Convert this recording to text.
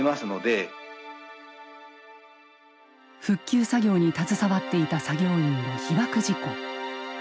復旧作業に携わっていた作業員の被ばく事故。